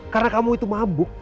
karena kamu itu mabuk